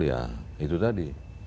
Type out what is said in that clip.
ya itu tadi